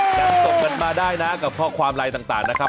ยังส่งกันมาได้นะกับข้อความไลน์ต่างนะครับ